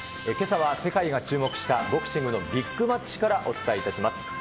けさは世界が注目したボクシングのビッグマッチからお伝えいたします。